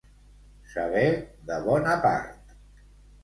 Saber de bona part.